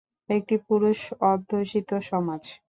একটি পুরুষ-অধ্যুষিত সমাজ।